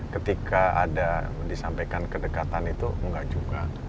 ketika ada disampaikan kedekatan itu enggak juga